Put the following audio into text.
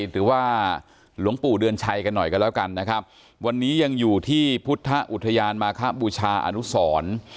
หรือว่าหลวงปู่เดือนชัยกันหน่อยกันแล้วกันนะครับวันนี้ยังอยู่ที่พุทธอุทยานมาคบูชาอนุสร